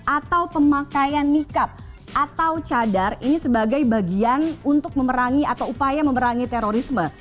atau pemakaian nikab atau cadar ini sebagai bagian untuk memerangi atau upaya memerangi terorisme